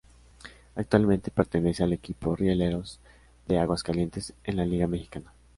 Actualmente pertenece al equipo Rieleros de Aguascalientes en la Liga Mexicana.